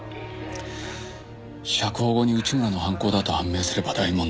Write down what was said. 釈放後に内村の犯行だと判明すれば大問題。